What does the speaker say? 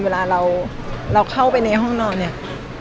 เวลาเราเข้าไปในห้องนอนเนี่ย